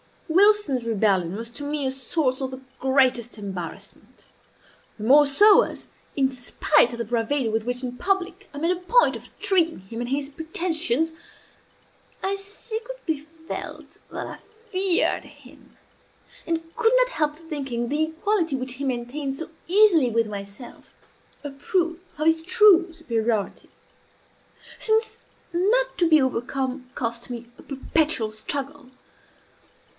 Wilson's rebellion was to me a source of the greatest embarrassment; the more so as, in spite of the bravado with which in public I made a point of treating him and his pretensions, I secretly felt that I feared him, and could not help thinking the equality, which he maintained so easily with myself, a proof of his true superiority; since not to be overcome cost me a perpetual struggle.